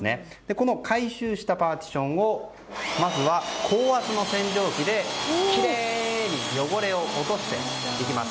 この回収したパーティションをまずは、高圧の洗浄機できれいに汚れを落としていきます。